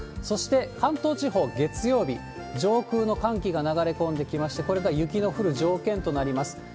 そして関東地方、月曜日、上空の寒気が流れ込んできまして、これが雪の降る条件となります。